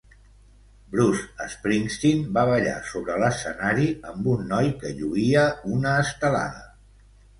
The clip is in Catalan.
Bruce Springsteen va ballar sobre l'escenari amb un noi que lluïa una estelada.